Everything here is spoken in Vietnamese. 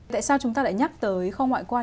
tại sao chúng ta lại nhắc tới không ngoại quan